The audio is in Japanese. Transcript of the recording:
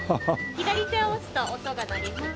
左手を押すと音が鳴ります。